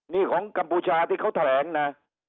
นี่ของกัมพูชาที่เขาแถลงนะ